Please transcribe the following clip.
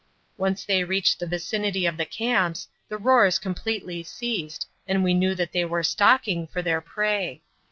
Once they reached the vicinity of the camps, the roars completely ceased, and we knew that they were stalking for their prey.